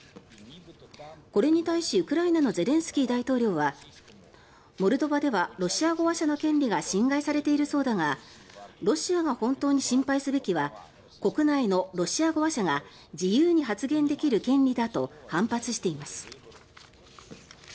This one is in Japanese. これに対し、ウクライナのゼレンスキー大統領はモルドバではロシア語話者の権利が侵害されているそうだがロシアが本当に心配すべきは国内のロシア語話者が自由に発言できる権利だと反発しています。